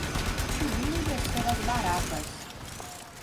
Subir e descer as baratas.